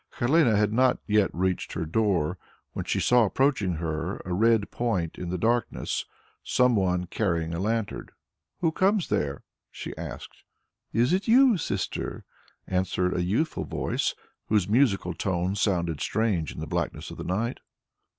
Helene had not yet reached her door, when she saw approaching her, like a red point in the darkness, some one carrying a lantern. "Who comes there?" she asked. "Is it you, Sister?" answered a youthful voice whose musical tones sounded strange in the blackness of the night.